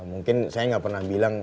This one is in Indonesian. mungkin saya nggak pernah bilang